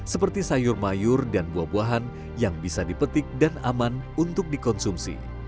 seperti sayur mayur dan buah buahan yang bisa dipetik dan aman untuk dikonsumsi